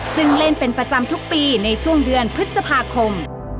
ซึ่งเล่นเป็นประจำทุกปีในช่วงเดือนพฤษภาคม